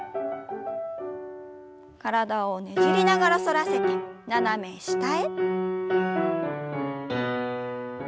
体をねじりながら反らせて斜め下へ。